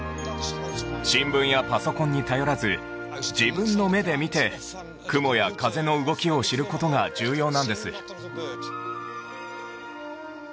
新聞やパソコンに頼らず自分の目で見て雲や風の動きを知ることが重要なんです